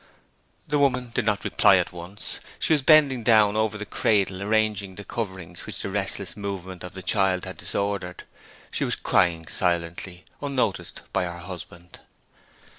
The woman did not reply at once. She was bending down over the cradle arranging the coverings which the restless movements of the child had disordered. She was crying silently, unnoticed by her husband.